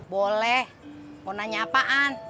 boleh mau nanya apaan